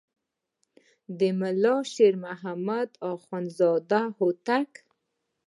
د ملا شیر محمد اخوندزاده هوتکی.